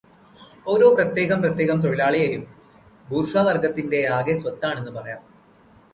ഓരോ പ്രത്യേകം പ്രത്യേകം തൊഴിലാളിയും ബൂർഷ്വാവർഗത്തിന്റെയാകെ സ്വത്താണെന്ന് പറയാം.